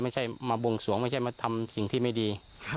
ไม่ใช่มาบวงสวงไม่ใช่มาทำสิ่งที่ไม่ดี